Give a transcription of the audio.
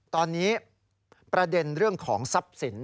ตอนนี้ประเด็นเรื่องของทรัพย์สิน